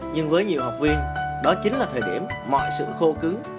nhưng với nhiều học viên đó chính là thời điểm mọi sự khô cứng